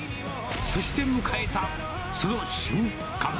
そして迎えたその瞬間。